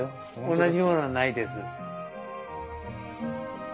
同じものはないです。